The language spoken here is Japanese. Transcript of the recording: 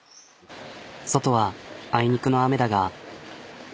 外はあいにくの雨だが。